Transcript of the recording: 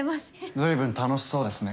随分楽しそうですね。